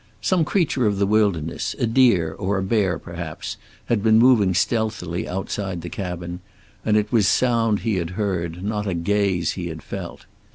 Some creature of the wilderness, a deer or a bear, perhaps, had been moving stealthily outside the cabin, and it was sound he had heard, not a gaze he had felt.